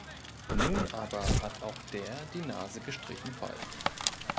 Nun aber hat auch der die Nase gestrichen voll.